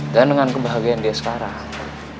dan dengan kebahagiaan dia sekarang